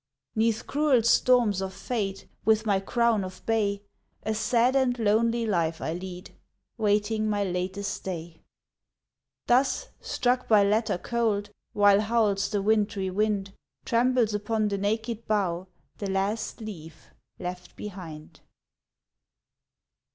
'Neath cruel storms of Fate With my crown of bay, A sad and lonely life I lead, Waiting my latest day. Thus, struck by latter cold While howls the wintry wind, Trembles upon the naked bough The last leaf left behind.